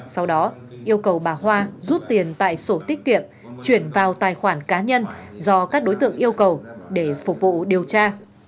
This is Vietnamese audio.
sau đó yêu cầu bà hoa rút tiền tại sổ tiết kiệm chuyển vào tài khoản cá nhân do các đối tượng yêu cầu để phục vụ điều tra